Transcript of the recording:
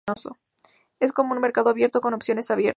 Es como un mercado abierto con opciones abiertas.